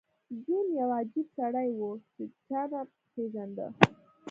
جون یو عجیب سړی و چې چا نه پېژانده